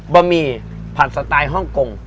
บะหมี่ผัดสไตล์ฮ่องกง